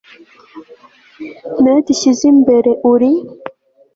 ni wowe dushyize imbere, uri